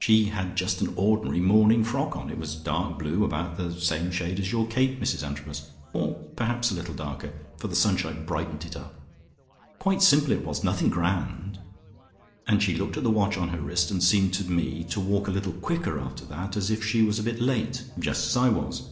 She had just an ordinary morning frock on; it was dark blue, about the same shade as your cape, Mrs Antrobus, or perhaps a little darker, for the sunshine brightened it up. Quite simple it was, nothing grand. And she looked at the watch on her wrist, and she seemed to me to walk a little quicker after that, as if she was a bit late, just as I was.